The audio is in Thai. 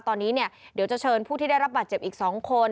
ตอนนี้เนี่ยเดี๋ยวจะเชิญผู้ที่ได้รับบาดเจ็บอีก๒คน